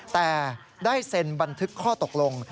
แต่ได้เซ็นบันทึกข้อตกลง